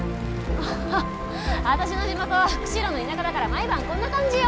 ハハッ私の地元は釧路の田舎だから毎晩こんな感じよ。